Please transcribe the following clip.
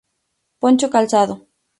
Poncho calzado.